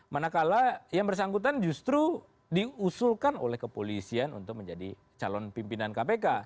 manakala yang bersangkutan justru diusulkan oleh kepolisian untuk menjadi calon pimpinan kpk